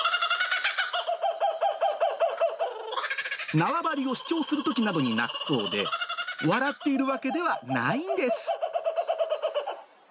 縄張りを主張するときなどに鳴くそうで、笑っているわけではないんです。